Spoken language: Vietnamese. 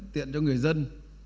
tiện cho người dân